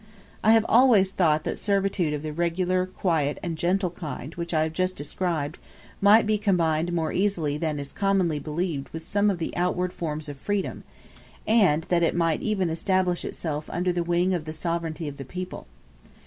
I have always thought that servitude of the regular, quiet, and gentle kind which I have just described, might be combined more easily than is commonly believed with some of the outward forms of freedom; and that it might even establish itself under the wing of the sovereignty of the people.